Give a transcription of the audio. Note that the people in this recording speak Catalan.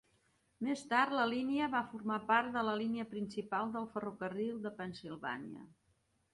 Més tard, la línia va formar part de la línia principal de ferrocarril de Pennsilvània.